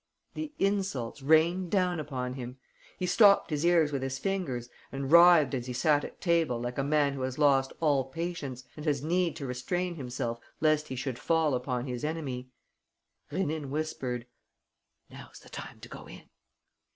The insults rained down upon him. He stopped his ears with his fingers and writhed as he sat at table like a man who has lost all patience and has need to restrain himself lest he should fall upon his enemy. Rénine whispered: "Now's the time to go in."